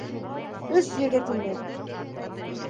Өс егет ине.